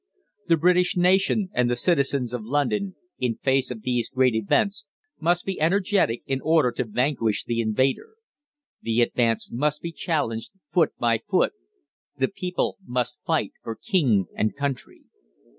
THE BRITISH NATION and the Citizens of London, in face of these great events, must be energetic in order to vanquish the invader. The ADVANCE must be CHALLENGED FOOT BY FOOT. The people must fight for King and Country.